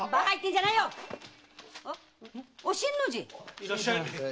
いらっしゃい。